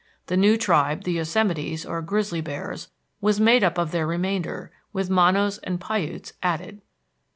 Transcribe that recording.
The new tribe, the Yosemites, or Grizzly Bears, was made up of their remainder, with Monos and Piutes added.